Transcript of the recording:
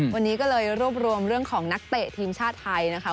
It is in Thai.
วันนี้ก็เลยรวบรวมเรื่องของนักเตะทีมชาติไทยนะคะ